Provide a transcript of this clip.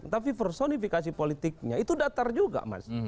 tapi personifikasi politiknya itu datar juga mas